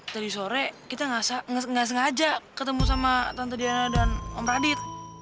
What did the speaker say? dari sore kita nggak sengaja ketemu sama tante diana dan om radit